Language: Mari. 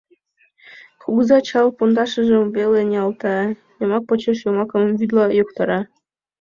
Кугыза чал пондашыжым веле ниялта, йомак почеш йомакым вӱдла йоктара.